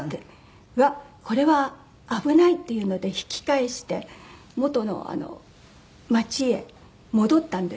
うわっこれは危ないっていうので引き返して元の町へ戻ったんですよ。